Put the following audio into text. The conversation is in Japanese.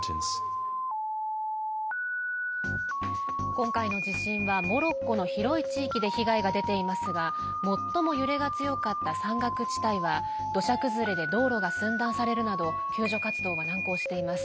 今回の地震はモロッコの広い地域で被害が出ていますが最も揺れが強かった山岳地帯は土砂崩れで道路が寸断されるなど救助活動は難航しています。